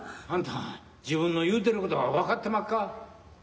あんた自分の言うてることが分かってまっか？